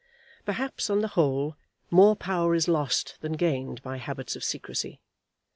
Perhaps, on the whole, more power is lost than gained by habits of secrecy.